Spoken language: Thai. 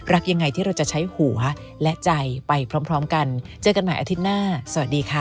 ยังไงที่เราจะใช้หัวและใจไปพร้อมพร้อมกันเจอกันใหม่อาทิตย์หน้าสวัสดีค่ะ